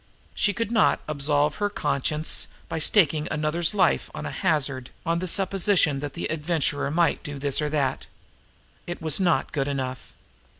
She could not absolve her conscience by staking another's life on a hazard, on the supposition that the Adventurer might do this or that. It was not good enough.